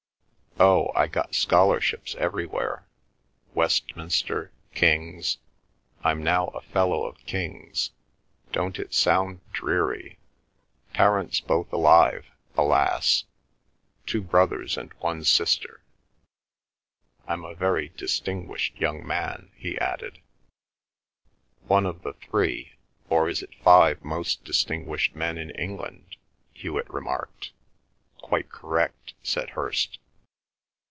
Oh, I got scholarships everywhere—Westminster—King's. I'm now a fellow of King's. Don't it sound dreary? Parents both alive (alas). Two brothers and one sister. I'm a very distinguished young man," he added. "One of the three, or is it five, most distinguished men in England," Hewet remarked. "Quite correct," said Hirst.